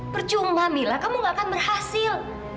percuma mila kamu gak akan berhasil